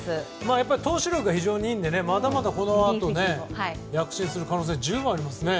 投手力が非常にいいのでまだまだこのあと躍進する可能性が十分ありますね。